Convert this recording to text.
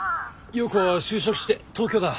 洋子は就職して東京だ。